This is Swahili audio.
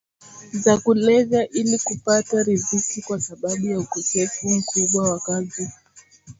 za kulevya ili kupata riziki kwa sababu ya ukosefu mkubwa wa kazi ya